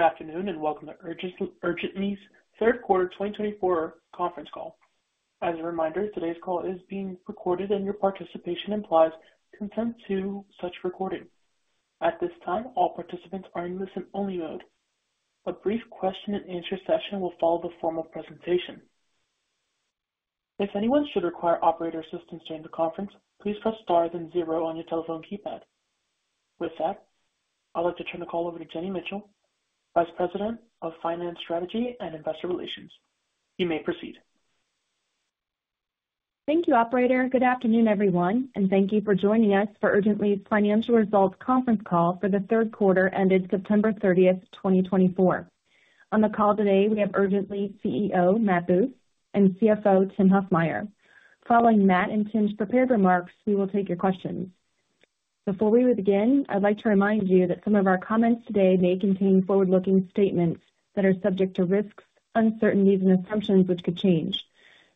Good afternoon and welcome to Urgently's Third Quarter 2024 Conference Call. As a reminder, today's call is being recorded and your participation implies consent to such recording. At this time, all participants are in listen-only mode. A brief question-and-answer session will follow the formal presentation. If anyone should require operator assistance during the conference, please press star then zero on your telephone keypad. With that, I'd like to turn the call over to Jenny Mitchell, Vice President of Finance Strategy and Investor Relations. You may proceed. Thank you, Operator. Good afternoon, everyone, and thank you for joining us for Urgently's financial results conference call for the third quarter ended September 30th, 2024. On the call today, we have Urgently CEO Matt Booth and CFO Tim Huffmyer. Following Matt and Tim's prepared remarks, we will take your questions. Before we begin, I'd like to remind you that some of our comments today may contain forward-looking statements that are subject to risks, uncertainties, and assumptions which could change.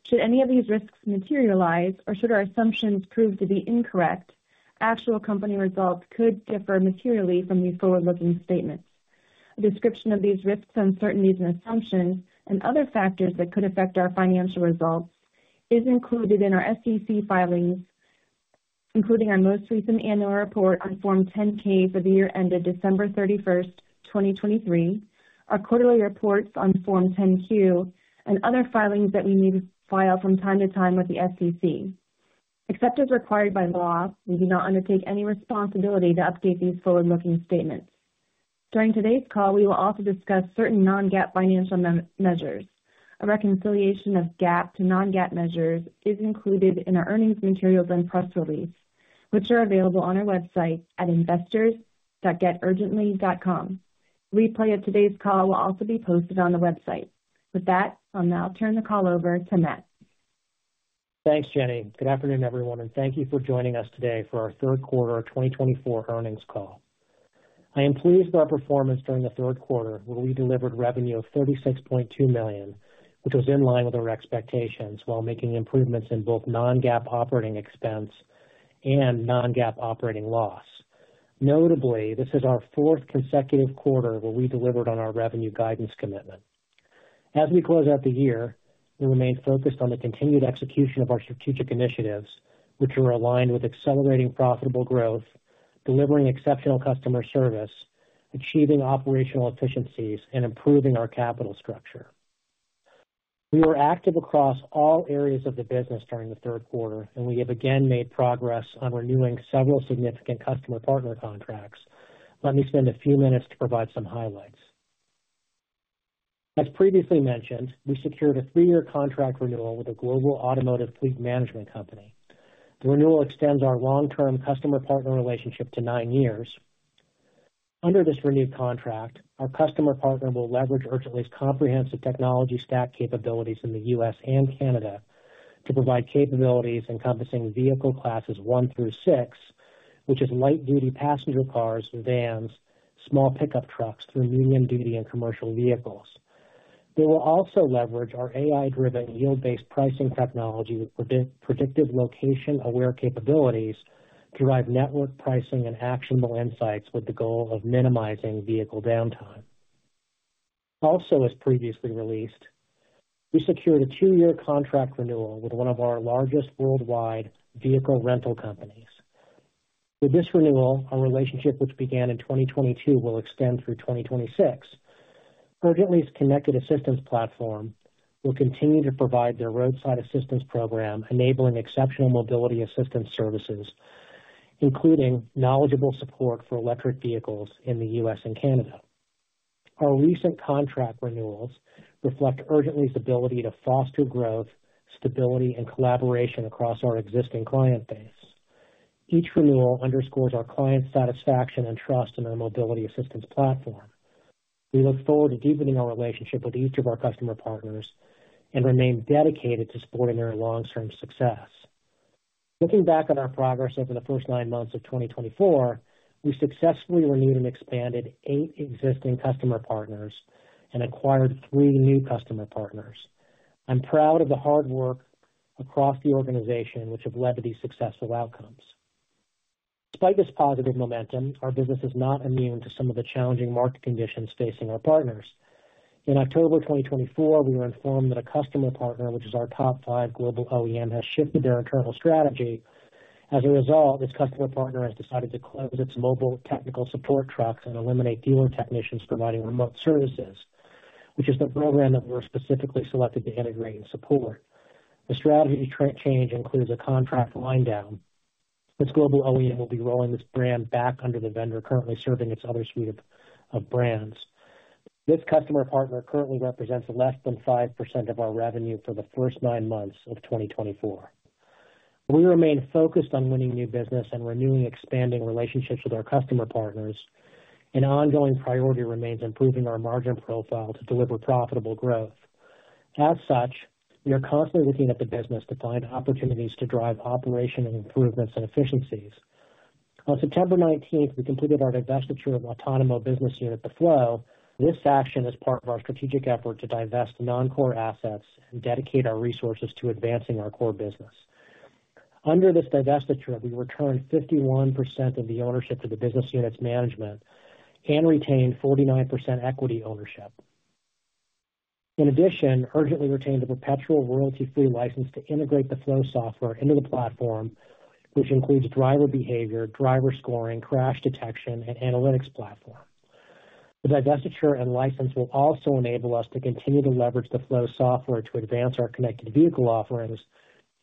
Should any of these risks materialize or should our assumptions prove to be incorrect, actual company results could differ materially from these forward-looking statements. A description of these risks, uncertainties, and assumptions, and other factors that could affect our financial results is included in our SEC filings, including our most recent annual report on Form 10-K for the year ended December 31st, 2023, our quarterly reports on Form 10-Q, and other filings that we need to file from time to time with the SEC. Except as required by law, we do not undertake any responsibility to update these forward-looking statements. During today's call, we will also discuss certain non-GAAP financial measures. A reconciliation of GAAP to non-GAAP measures is included in our earnings materials and press release, which are available on our website at investors.geturgently.com. Replay of today's call will also be posted on the website. With that, I'll now turn the call over to Matt. Thanks, Jenny. Good afternoon, everyone, and thank you for joining us today for our third quarter 2024 earnings call. I am pleased with our performance during the third quarter, where we delivered revenue of $36.2 million, which was in line with our expectations while making improvements in both non-GAAP operating expense and non-GAAP operating loss. Notably, this is our fourth consecutive quarter where we delivered on our revenue guidance commitment. As we close out the year, we remained focused on the continued execution of our strategic initiatives, which are aligned with accelerating profitable growth, delivering exceptional customer service, achieving operational efficiencies, and improving our capital structure. We were active across all areas of the business during the third quarter, and we have again made progress on renewing several significant customer partner contracts. Let me spend a few minutes to provide some highlights. As previously mentioned, we secured a three-year contract renewal with a global automotive fleet management company. The renewal extends our long-term customer partner relationship to nine years. Under this renewed contract, our customer partner will leverage Urgently's comprehensive technology stack capabilities in the U.S. and Canada to provide capabilities encompassing vehicle classes one through six, which is light-duty passenger cars, vans, small pickup trucks, through medium-duty and commercial vehicles. They will also leverage our AI-driven, yield-based pricing technology with predictive location-aware capabilities to drive network pricing and actionable insights with the goal of minimizing vehicle downtime. Also, as previously released, we secured a two-year contract renewal with one of our largest worldwide vehicle rental companies. With this renewal, our relationship, which began in 2022, will extend through 2026. Urgently's connected assistance platform will continue to provide their roadside assistance program, enabling exceptional mobility assistance services, including knowledgeable support for electric vehicles in the U.S. and Canada. Our recent contract renewals reflect Urgently's ability to foster growth, stability, and collaboration across our existing client base. Each renewal underscores our client satisfaction and trust in our mobility assistance platform. We look forward to deepening our relationship with each of our customer partners and remain dedicated to supporting their long-term success. Looking back on our progress over the first nine months of 2024, we successfully renewed and expanded eight existing customer partners and acquired three new customer partners. I'm proud of the hard work across the organization, which has led to these successful outcomes. Despite this positive momentum, our business is not immune to some of the challenging market conditions facing our partners. In October 2024, we were informed that a customer partner, which is our top five global OEM, has shifted their internal strategy. As a result, this customer partner has decided to close its mobile technical support trucks and eliminate dealer technicians providing remote services, which is the program that we were specifically selected to integrate and support. The strategy change includes a contract wind down. This global OEM will be rolling this brand back under the vendor currently serving its other suite of brands. This customer partner currently represents less than 5% of our revenue for the first nine months of 2024. We remain focused on winning new business and renewing expanding relationships with our customer partners, and ongoing priority remains improving our margin profile to deliver profitable growth. As such, we are constantly looking at the business to find opportunities to drive operational improvements and efficiencies. On September 19th, we completed our divestiture of autonomous business unit The Floow. This action is part of our strategic effort to divest non-core assets and dedicate our resources to advancing our core business. Under this divestiture, we returned 51% of the ownership to the business unit's management and retained 49% equity ownership. In addition, Urgently retained a perpetual royalty-free license to integrate The Floow software into the platform, which includes driver behavior, driver scoring, crash detection, and analytics platform. The divestiture and license will also enable us to continue to leverage The Floow software to advance our connected vehicle offerings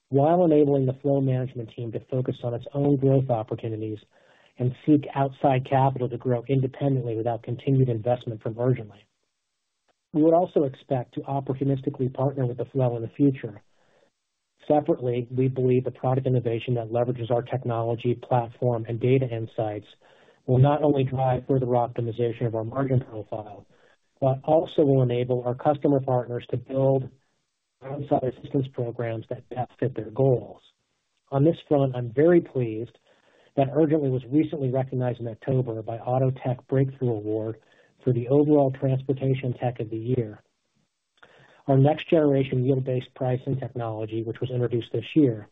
while enabling The Floow management team to focus on its own growth opportunities and seek outside capital to grow independently without continued investment from Urgently. We would also expect to opportunistically partner with The Floow in the future. Separately, we believe the product innovation that leverages our technology platform and data insights will not only drive further optimization of our margin profile, but also will enable our customer partners to build outside assistance programs that best fit their goals. On this front, I'm very pleased that Urgently was recently recognized in October by AutoTech Breakthrough for the overall transportation tech of the year. Our next generation yield-based pricing technology, which was introduced this year,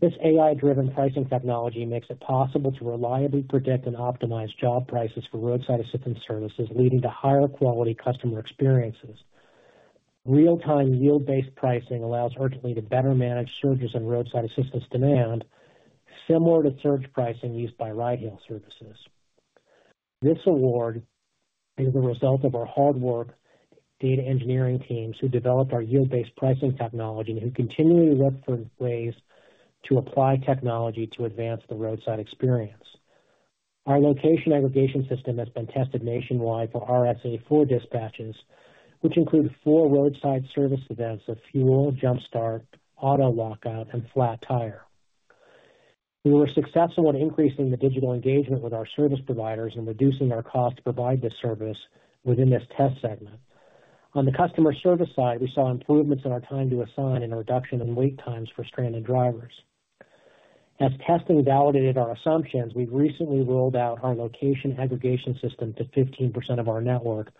this AI-driven pricing technology makes it possible to reliably predict and optimize job prices for roadside assistance services, leading to higher quality customer experiences. Real-time yield-based pricing allows Urgently to better manage surges in roadside assistance demand, similar to surge pricing used by ride-hail services. This award is the result of our hardworking data engineering teams who developed our yield-based pricing technology and who continually look for ways to apply technology to advance the roadside experience. Our location aggregation system has been tested nationwide for RSA-4 dispatches, which include four roadside service events of fuel, jump start, auto lockout, and flat tire. We were successful in increasing the digital engagement with our service providers and reducing our cost to provide this service within this test segment. On the customer service side, we saw improvements in our time to assign and a reduction in wait times for stranded drivers. As testing validated our assumptions, we recently rolled out our location aggregation system to 15% of our network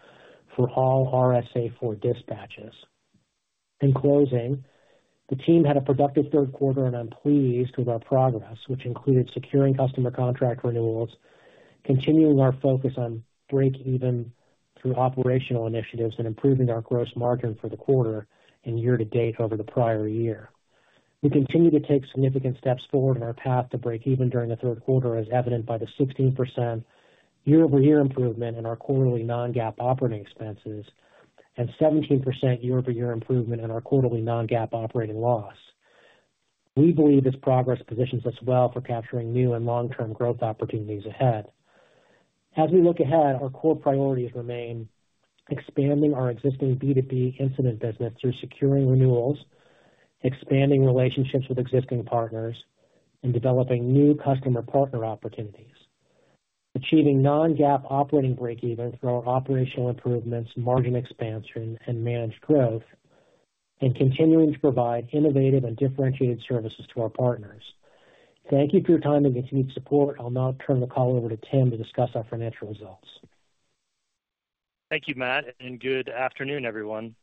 for all RSA-4 dispatches. In closing, the team had a productive third quarter, and I'm pleased with our progress, which included securing customer contract renewals, continuing our focus on break-even through operational initiatives, and improving our gross margin for the quarter and year-to-date over the prior year. We continue to take significant steps forward in our path to break-even during the third quarter, as evident by the 16% year-over-year improvement in our quarterly non-GAAP operating expenses and 17% year-over-year improvement in our quarterly non-GAAP operating loss. We believe this progress positions us well for capturing new and long-term growth opportunities ahead. As we look ahead, our core priorities remain expanding our existing B2B incident business through securing renewals, expanding relationships with existing partners, and developing new customer partner opportunities, achieving non-GAAP operating break-even through our operational improvements, margin expansion, and managed growth, and continuing to provide innovative and differentiated services to our partners. Thank you for your time and continued support. I'll now turn the call over to Tim to discuss our financial results. Thank you, Matt, and good afternoon, everyone.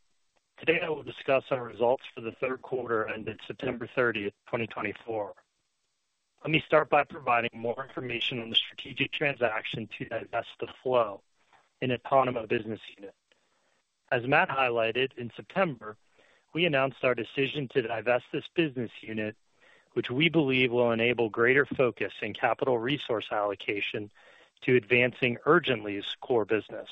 Today, I will discuss our results for the third quarter ended September 30th, 2024. Let me start by providing more information on the strategic transaction to divest The Floow in autonomous business unit. As Matt highlighted, in September, we announced our decision to divest this business unit, which we believe will enable greater focus and capital resource allocation to advancing Urgently's core business.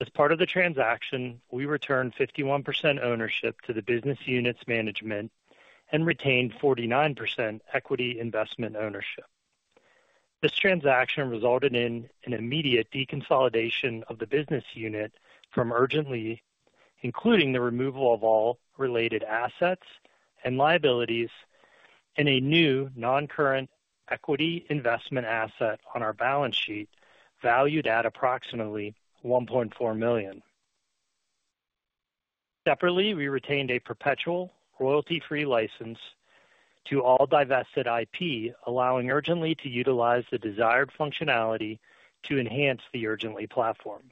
As part of the transaction, we returned 51% ownership to the business unit's management and retained 49% equity investment ownership. This transaction resulted in an immediate deconsolidation of the business unit from Urgently, including the removal of all related assets and liabilities and a new non-current equity investment asset on our balance sheet valued at approximately $1.4 million. Separately, we retained a perpetual royalty-free license to all divested IP, allowing Urgently to utilize the desired functionality to enhance the Urgently platform.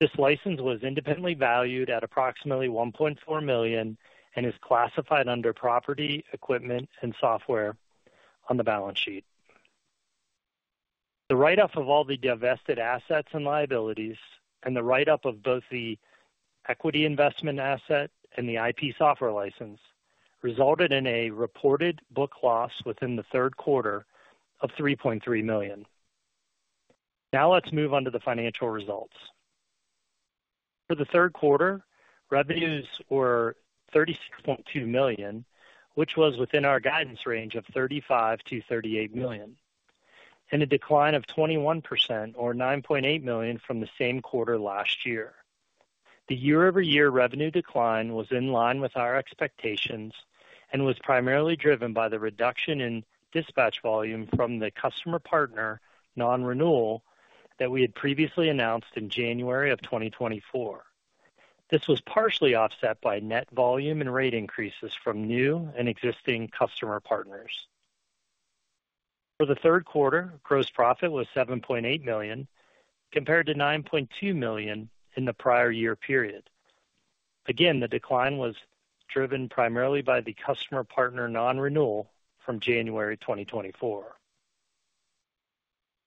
This license was independently valued at approximately $1.4 million and is classified under property, equipment, and software on the balance sheet. The write-off of all the divested assets and liabilities and the write-off of both the equity investment asset and the IP software license resulted in a reported book loss within the third quarter of $3.3 million. Now, let's move on to the financial results. For the third quarter, revenues were $36.2 million, which was within our guidance range of $35-$38 million, and a decline of 21% or $9.8 million from the same quarter last year. The year-over-year revenue decline was in line with our expectations and was primarily driven by the reduction in dispatch volume from the customer partner non-renewal that we had previously announced in January of 2024. This was partially offset by net volume and rate increases from new and existing customer partners. For the third quarter, gross profit was $7.8 million compared to $9.2 million in the prior year period. Again, the decline was driven primarily by the customer partner non-renewal from January 2024.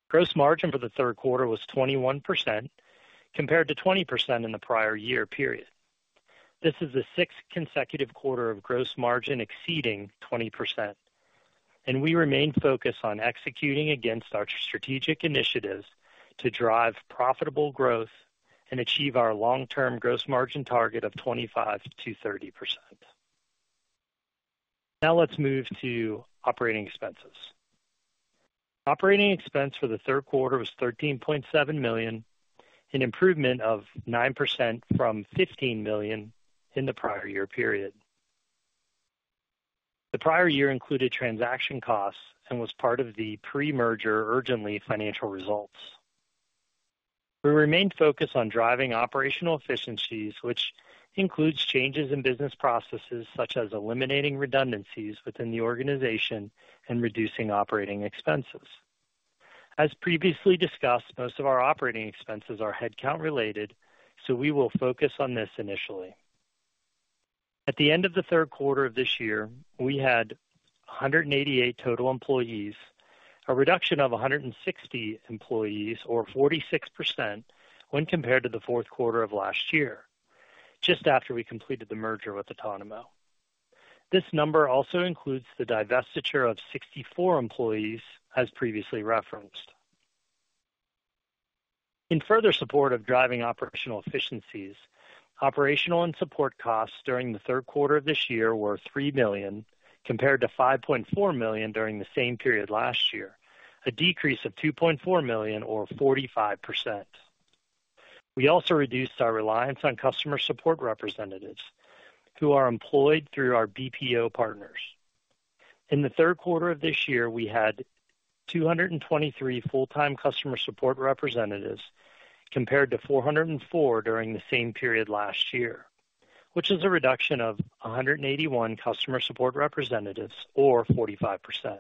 Gross margin for the third quarter was 21% compared to 20% in the prior year period. This is the sixth consecutive quarter of gross margin exceeding 20%, and we remain focused on executing against our strategic initiatives to drive profitable growth and achieve our long-term gross margin target of 25%-30%. Now, let's move to operating expenses. Operating expense for the third quarter was $13.7 million, an improvement of 9% from $15 million in the prior year period. The prior year included transaction costs and was part of the pre-merger Urgently financial results. We remained focused on driving operational efficiencies, which includes changes in business processes such as eliminating redundancies within the organization and reducing operating expenses. As previously discussed, most of our operating expenses are headcount-related, so we will focus on this initially. At the end of the third quarter of this year, we had 188 total employees, a reduction of 160 employees or 46% when compared to the fourth quarter of last year, just after we completed the merger with Otonomo. This number also includes the divestiture of 64 employees, as previously referenced. In further support of driving operational efficiencies, operational and support costs during the third quarter of this year were $3 million compared to $5.4 million during the same period last year, a decrease of $2.4 million or 45%. We also reduced our reliance on customer support representatives who are employed through our BPO partners. In the third quarter of this year, we had 223 full-time customer support representatives compared to 404 during the same period last year, which is a reduction of 181 customer support representatives or 45%.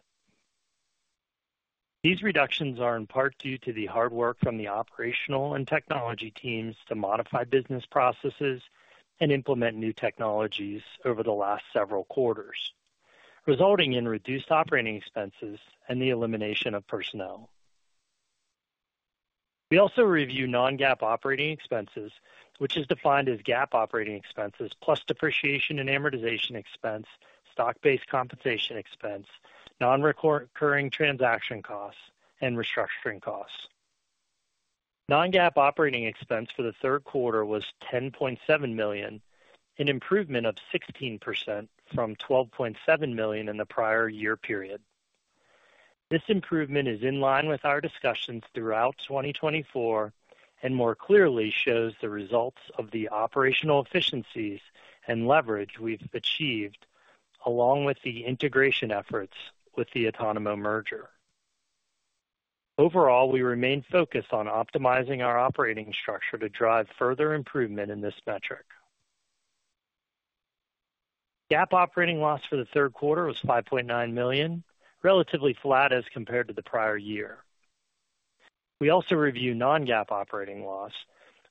These reductions are in part due to the hard work from the operational and technology teams to modify business processes and implement new technologies over the last several quarters, resulting in reduced operating expenses and the elimination of personnel. We also reviewed non-GAAP operating expenses, which is defined as GAAP operating expenses plus depreciation and amortization expense, stock-based compensation expense, non-recurring transaction costs, and restructuring costs. Non-GAAP operating expense for the third quarter was $10.7 million, an improvement of 16% from $12.7 million in the prior year period. This improvement is in line with our discussions throughout 2024 and more clearly shows the results of the operational efficiencies and leverage we've achieved along with the integration efforts with the Otonomo merger. Overall, we remain focused on optimizing our operating structure to drive further improvement in this metric. GAAP operating loss for the third quarter was $5.9 million, relatively flat as compared to the prior year. We also reviewed non-GAAP operating loss,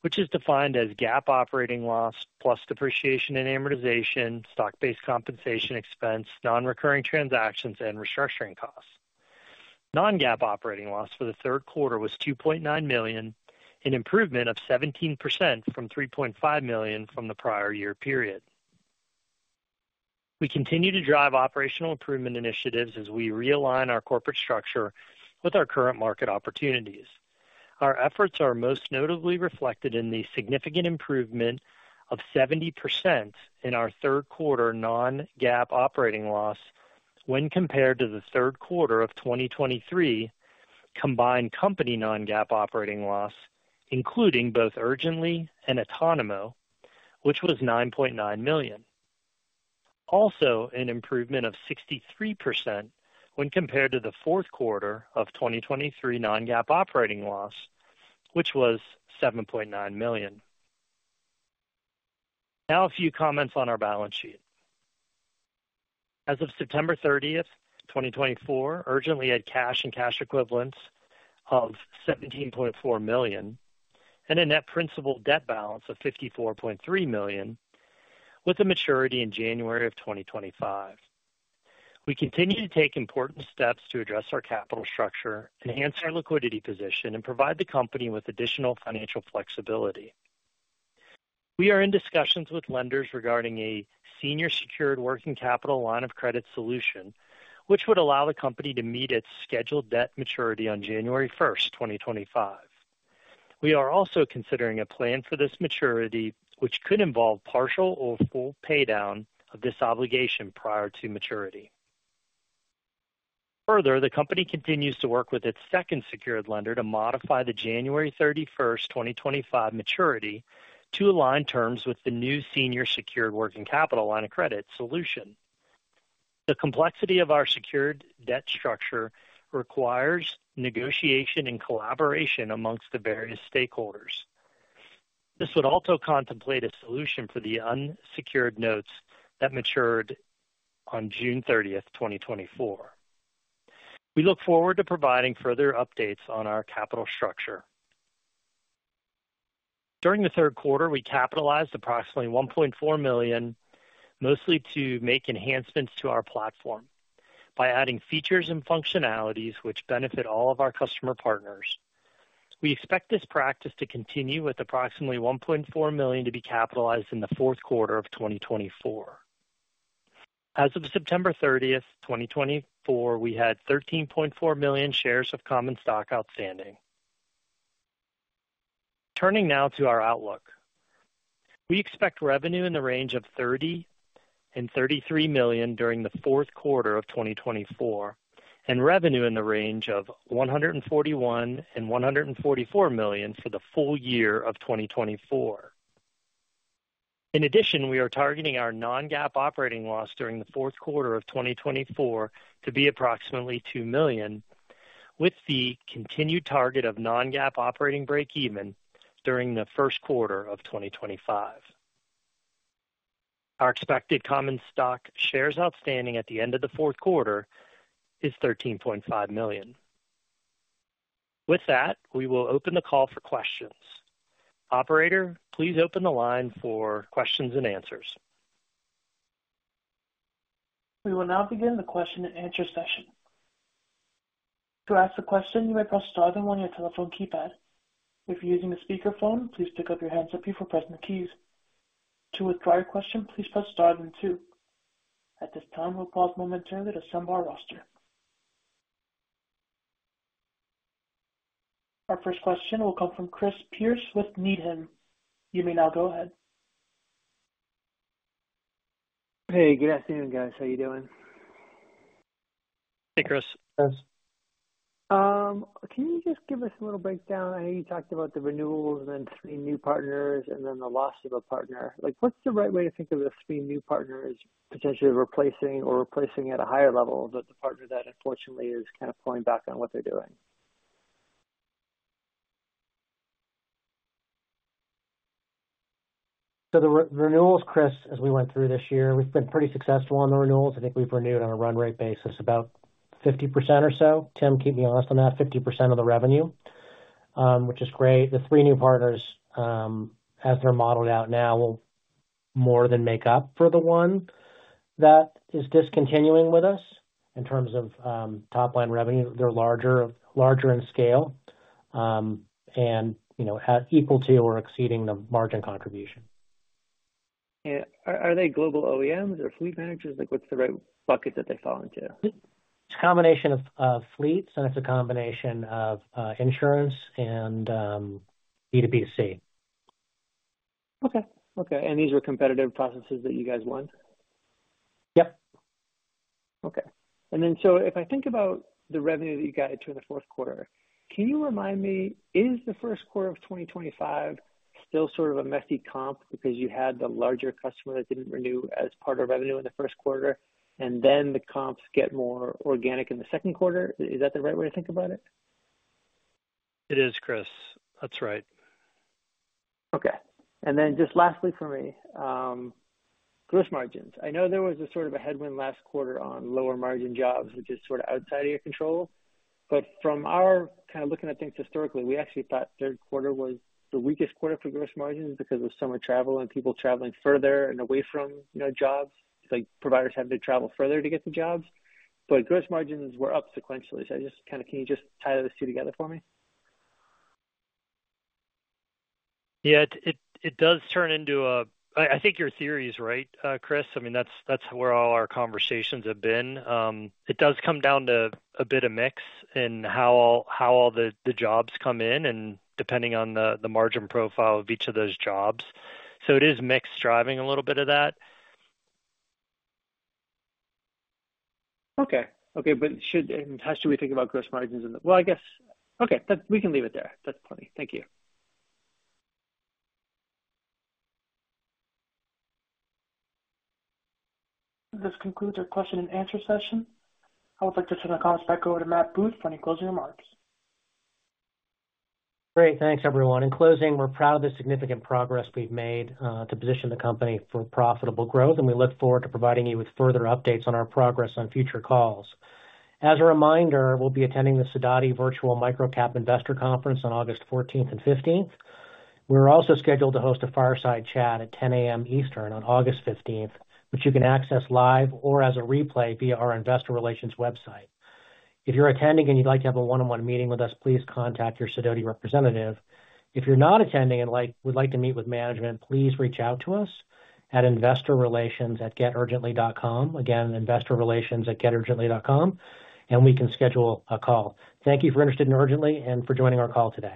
which is defined as GAAP operating loss plus depreciation and amortization, stock-based compensation expense, non-recurring transactions, and restructuring costs. Non-GAAP operating loss for the third quarter was $2.9 million, an improvement of 17% from $3.5 million from the prior year period. We continue to drive operational improvement initiatives as we realign our corporate structure with our current market opportunities. Our efforts are most notably reflected in the significant improvement of 70% in our third quarter non-GAAP operating loss when compared to the third quarter of 2023 combined company non-GAAP operating loss, including both Urgently and Otonomo, which was $9.9 million. Also, an improvement of 63% when compared to the fourth quarter of 2023 non-GAAP operating loss, which was $7.9 million. Now, a few comments on our balance sheet. As of September 30th, 2024, Urgently had cash and cash equivalents of $17.4 million and a net principal debt balance of $54.3 million, with a maturity in January of 2025. We continue to take important steps to address our capital structure, enhance our liquidity position, and provide the company with additional financial flexibility. We are in discussions with lenders regarding a senior secured working capital line of credit solution, which would allow the company to meet its scheduled debt maturity on January 1st, 2025. We are also considering a plan for this maturity, which could involve partial or full paydown of this obligation prior to maturity. Further, the company continues to work with its second secured lender to modify the January 31st, 2025 maturity to align terms with the new senior secured working capital line of credit solution. The complexity of our secured debt structure requires negotiation and collaboration among the various stakeholders. This would also contemplate a solution for the unsecured notes that matured on June 30th, 2024. We look forward to providing further updates on our capital structure. During the third quarter, we capitalized approximately $1.4 million, mostly to make enhancements to our platform by adding features and functionalities which benefit all of our customer partners. We expect this practice to continue with approximately $1.4 million to be capitalized in the fourth quarter of 2024. As of September 30th, 2024, we had $13.4 million shares of common stock outstanding. Turning now to our outlook, we expect revenue in the range of $30-$33 million during the fourth quarter of 2024, and revenue in the range of $141-$144 million for the full year of 2024. In addition, we are targeting our non-GAAP operating loss during the fourth quarter of 2024 to be approximately $2 million, with the continued target of non-GAAP operating break-even during the first quarter of 2025. Our expected common stock shares outstanding at the end of the fourth quarter is $13.5 million. With that, we will open the call for questions. Operator, please open the line for questions and answers. We will now begin the question-and-answer session. To ask a question, you may press star then one on your telephone keypad. If you're using a speakerphone, please pick up your handset before pressing the keys. To withdraw your question, please press star then two. At this time, we'll pause momentarily to assemble our roster. Our first question will come from Chris Pierce with Needham. You may now go ahead. Hey, good afternoon, guys. How are you doing? Hey, Chris. Chris, can you just give us a little breakdown? I know you talked about the renewals and then three new partners and then the loss of a partner. What's the right way to think of the three new partners potentially replacing or replacing at a higher level than the partner that unfortunately is kind of pulling back on what they're doing? The renewals, Chris, as we went through this year, we've been pretty successful on the renewals. I think we've renewed on a run rate basis, about 50% or so. Tim, keep me honest on that, 50% of the revenue, which is great. The three new partners, as they're modeled out now, will more than make up for the one that is discontinuing with us in terms of top-line revenue. They're larger in scale and equal to or exceeding the margin contribution. Are they global OEMs or fleet managers? What's the right bucket that they fall into? It's a combination of fleets, and it's a combination of insurance and B2B2C. Okay. Okay. And these were competitive processes that you guys won? Yep. Okay, and then, so if I think about the revenue that you got during the fourth quarter, can you remind me? Is the first quarter of 2025 still sort of a messy comp because you had the larger customer that didn't renew as part of revenue in the first quarter, and then the comps get more organic in the second quarter? Is that the right way to think about it? It is, Chris. That's right. Okay. And then just lastly for me, gross margins. I know there was a sort of a headwind last quarter on lower margin jobs, which is sort of outside of your control. But from our kind of looking at things historically, we actually thought third quarter was the weakest quarter for gross margins because of summer travel and people traveling further and away from jobs. Providers have to travel further to get the jobs. But gross margins were up sequentially. So I just kind of can you just tie those two together for me? Yeah. It does turn into, I think your theory is right, Chris. I mean, that's where all our conversations have been. It does come down to a bit of mix in how all the jobs come in and depending on the margin profile of each of those jobs. So it is mixed driving a little bit of that. Okay. Okay. And how should we think about gross margins in the well, I guess. Okay. We can leave it there. That's plenty. Thank you. This concludes our question-and-answer session. I would like to turn the comments back over to Matt Booth for any closing remarks. Great. Thanks, everyone. In closing, we're proud of the significant progress we've made to position the company for profitable growth, and we look forward to providing you with further updates on our progress on future calls. As a reminder, we'll be attending the Sidoti Virtual Microcap Investor Conference on August 14th and 15th. We're also scheduled to host a fireside chat at 10:00 A.M. Eastern on August 15th, which you can access live or as a replay via our investor relations website. If you're attending and you'd like to have a one-on-one meeting with us, please contact your Sidoti representative. If you're not attending and would like to meet with management, please reach out to us at investorrelations@geturgently.com. Again, investorrelations@geturgently.com, and we can schedule a call. Thank you for your interest in Urgently and for joining our call today.